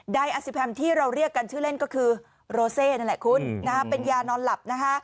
อาซิแพมที่เราเรียกกันชื่อเล่นก็คือโรเซนั่นแหละคุณเป็นยานอนหลับนะคะ